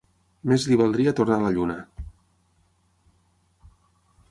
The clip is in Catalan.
Més li valdria tornar a la lluna.